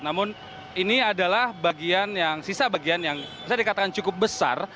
namun ini adalah bagian yang sisa bagian yang bisa dikatakan cukup besar